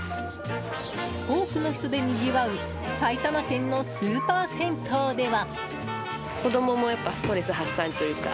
多くの人でにぎわう埼玉県のスーパー銭湯では。